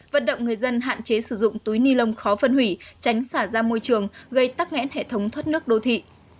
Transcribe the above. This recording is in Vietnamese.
vận động người dân hạn chế sử dụng túi ni lông khó phân hủy tránh xả ra môi trường gây tắc nghẽn hệ thống thoát nước đô thị